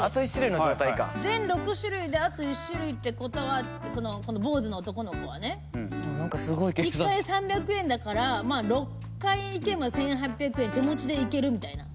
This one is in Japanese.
全６種類であと１種類ってことは１回３００円だから６回行っても１８００円手持ちでいけるみたいな。